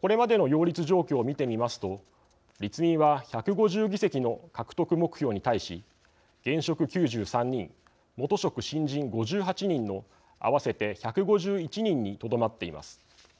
これまでの擁立状況を見てみますと立民は、１５０議席の獲得目標に対し現職９３人、元職・新人５８人の合わせて１５１人にとどまっています。